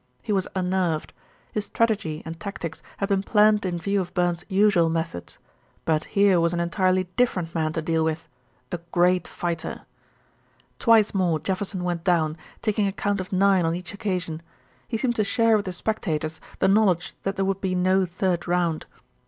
He was unnerved. His strategy and tactics had been planned in view of Burns's usual methods; but here was an entirely different man to deal with a great fighter. Twice more Jefferson went down, taking a count of nine on each occasion. He seemed to share with the spectators the knowledge that there would be no third round.